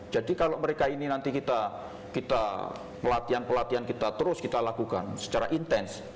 jadi kalau mereka ini nanti kita kita pelatihan pelatihan kita terus kita lakukan secara intens